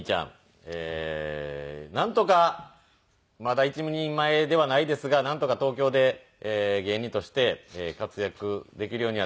なんとかまだ一人前ではないですがなんとか東京で芸人として活躍できるようにはなりました。